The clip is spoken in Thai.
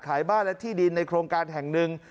ขายบ้านและที่ดินในโครงการแห่งหนึ่ง